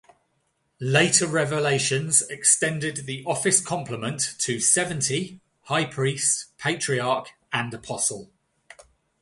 Later revelations extended the office complement to Seventy, High Priest, Patriarch and Apostle.